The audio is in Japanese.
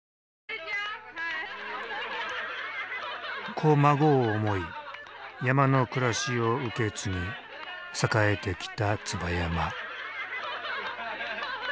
子孫を思い山の暮らしを受け継ぎ栄えてきた椿山。